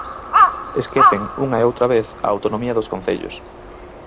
Esquecen unha e outra vez a autonomía dos concellos.